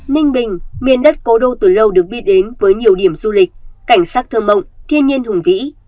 ninh bình miền đất cố đô từ lâu được biết đến với nhiều điểm du lịch cảnh sắc thơ mộng thiên nhiên hùng vĩ